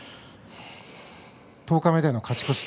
十日目の勝ち越し